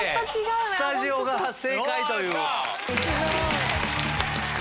スタジオが正解という。来た！